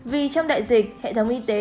vì trong đại dịch hệ thống y tế